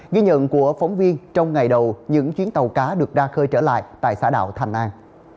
ghi nhận của phóng viên trong ngày đầu những chuyến tàu cá được ra khơi trở lại tại xã đảo thành an